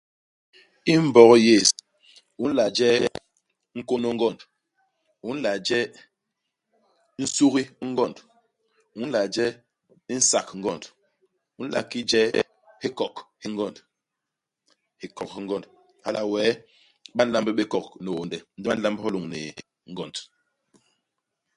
I Mbog yés, u nla je nkônô u ngond. U nla je nsugi u ngond. U nla je nsak-ngond. U nla ki je hikok hi ngond. Hikok hi ngond. Hala wee, Ba nlamb bé hikok ni hiônde, ndi ba nlamb hyo lôñni ngond.